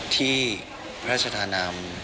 ที่พระราชธานาม